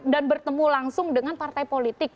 bicara dan bertemu langsung dengan partai politik